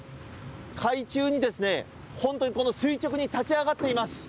海中に本当に垂直に立ち上がっています。